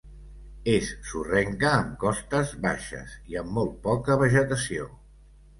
És sorrenca, amb costes baixes i amb molt poca vegetació.